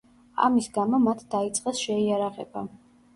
ამის გამო, მათ დაიწყეს შეიარაღება.